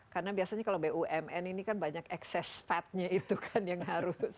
karena biasanya kalau bumn ini kan banyak excess fatnya itu kan yang harus